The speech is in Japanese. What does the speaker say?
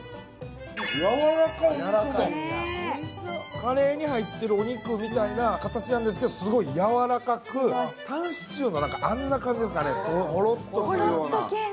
カレーに入ってるお肉みたいな形なんですがすごいやわらかく、タンシチューのあんな感じですかね、ほろほろっとするような。